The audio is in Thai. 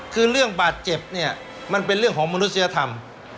คือเรื่องบาดเจ็บเนี่ยมันเป็นเรื่องของมนุษยธรรม